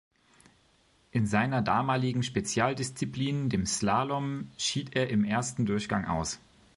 In seiner damaligen Spezialdisziplin, dem Slalom, schied er im ersten Durchgang aus.